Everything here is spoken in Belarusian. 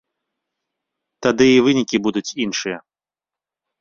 Тады і вынікі будуць іншыя.